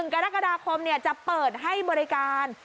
กรกฎาคมจะเปิดให้บริการ